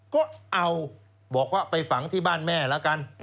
ก็เอาบอกว่าไปฝังที่บ้านแม่แล้วกัน